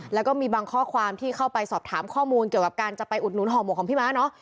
แล้วก็มีบางข้อความที่เข้าไปสอบถามข้อมูลเกี่ยวกับการจะไปอุดหนุ่อหมวกของพี่ม้าเนาะ